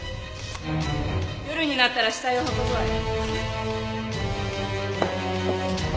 夜になったら死体を運ぶわよ。